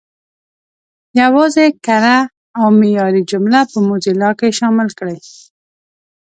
یوازې کره او معیاري جملې په موزیلا کې شامل کړئ.